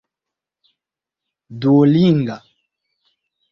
duolinga